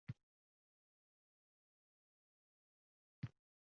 Qariyaning qo‘lida tor ko‘rib, uni uyiga mehmonga taklif qilibdi